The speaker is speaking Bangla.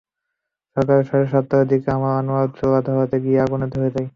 সকাল সাড়ে সাতটার দিকে আনোয়ারা চুলা ধরাতে গেলে আগুন ধরে যায়।